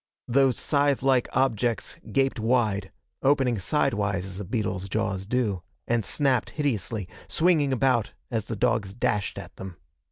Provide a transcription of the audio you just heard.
Those scythe like objects gaped wide opening sidewise as a beetle's jaws do and snapped hideously, swinging about as the dogs dashed at them.